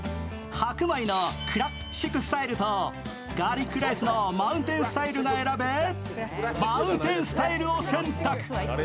白米のクラッシクスタイルとガーリックライスのマウンテンスタイルが選べマウンテンスタイルを選択。